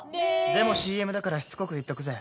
でもＣＭだからしつこく言っとくぜ！